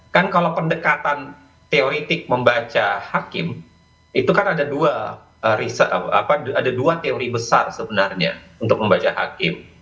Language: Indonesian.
kan kalau pendekatan teoretik membaca hakim itu kan ada dua teori besar sebenarnya untuk membaca hakim